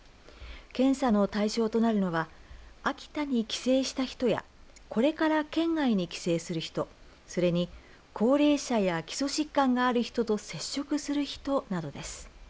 検査の対象となるのは秋田に帰省した人やこれから県外に帰省する人、それに高齢者や基礎疾患がある人と接触する人などです。